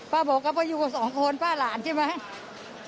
บอกว่าป้าอยู่กับสองคนป้าหลานใช่ไหม